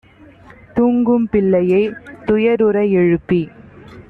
தூங்கும் பிள்ளையைத் துயருற எழுப்பி